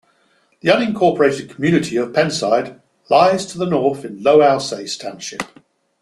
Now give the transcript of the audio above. The unincorporated community of Pennside lies to the north in Lower Alsace Township.